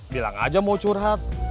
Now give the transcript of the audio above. bilang aja mau curhat